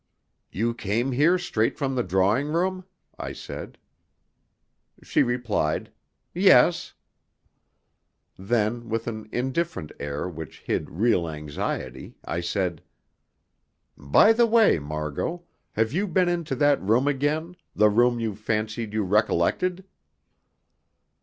"You came here straight from the drawing room?" I said. She replied, "Yes." Then, with an indifferent air which hid real anxiety, I said: "By the way, Margot, have you been into that room again the room you fancied you recollected?"